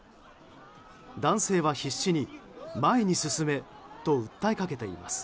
男性は必死に前に進めと訴えかけています。